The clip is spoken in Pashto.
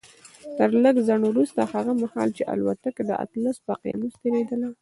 تر لږ ځنډ وروسته هغه مهال چې الوتکه د اطلس پر اقيانوس تېرېدله.